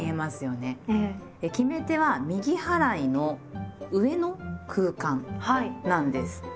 決め手は「右払いの上の空間」なんです。